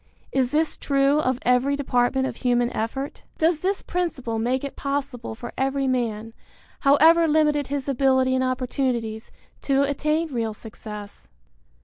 Is this true of every department of human effort? Does this principle make it possible for every man, however limited his ability and opportunities, to attain real success?